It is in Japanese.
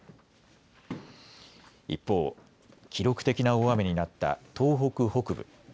一方、記録的な大雨になった東北北部。